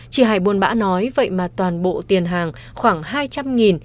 chị hải buôn bã nói vậy mà toàn bộ tiền hàng khoảng hai trăm linh